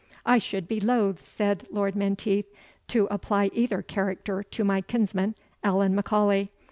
"I should be loath," said Lord Menteith, "to apply either character to my kinsman, Allan M'Aulay.